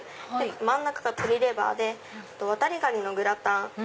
真ん中が鶏レバーでワタリガニのグラタン